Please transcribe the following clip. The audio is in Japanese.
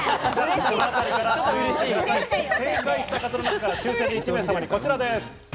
正解した方の中から抽選で１名様にこちらです。